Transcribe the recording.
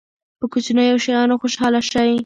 په کوچنیو شیانو خوشحاله شئ.